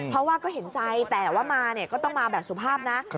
เพราะว่าก็เห็นใจแต่ว่ามาเนี่ยก็ต้องมาแบบสุภาพนะ